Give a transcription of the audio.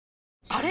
あれ？